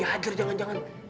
sumpitnya dihajar jangan jangan